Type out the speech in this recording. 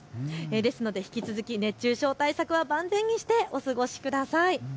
ですので引き続き熱中症対策は万全にしてお過ごしください。